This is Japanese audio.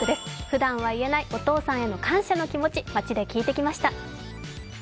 ふだんは言えないお父さんへの感謝の気持ち、街で聞いてきました。